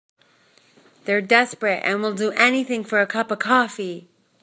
They're desperate and will do anything for a cup of coffee.